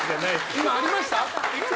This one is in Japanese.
今、ありました？